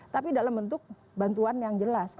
tapi dalam bentuk bantuan yang jelas